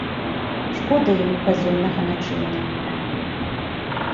Шкода яму казённага начыння.